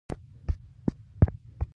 د نرمې ی د مخه توري ته باید زور ورکړو.